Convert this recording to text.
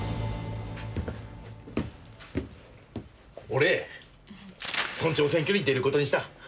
俺村長選挙に出ることにした。